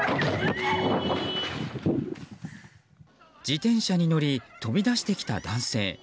自転車に乗り飛び出してきた男性。